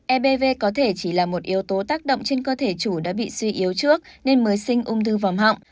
ebv có thể chỉ là một yếu tố tác động trên cơ thể chủ đã bị suy yếu trước nên mới sinh ung thư vòng họng